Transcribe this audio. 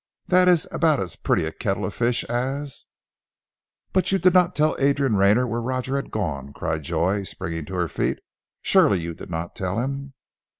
That is about as pretty a kettle of fish as " "But you did not tell Adrian Rayner where Roger had gone?" cried Joy, springing to her feet. "Surely you did not tell him?"